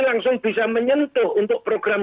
langsung bisa menyentuh untuk program